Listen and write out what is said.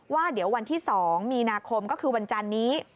ว่าเดี๋ยววันที่๒มีนาคมก็คือวันจันนี้